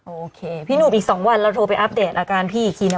โอเคพี่หนุ่มอีก๒วันเราโทรไปอัปเดตอาการพี่อีกทีนะ